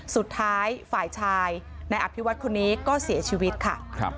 สุดท้ายฝ่ายชายในอภิวัฒน์คนนี้ก็เสียชีวิตค่ะ